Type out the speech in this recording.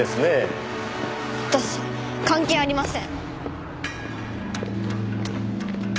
私関係ありません。